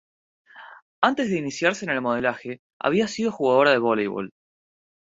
Antes de iniciarse en el modelaje, había sido jugadora de voleibol.